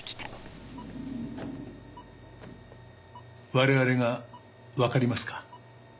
我々がわかりますか？